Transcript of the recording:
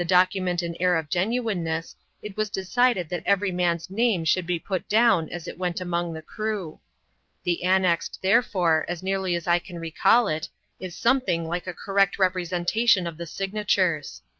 document an air of genuineness, it was decided that eveiy man's name should be put down as it went among the crew. The annexed, therefore, as nearly as I can recall it, is something like a correct representation of the signatures.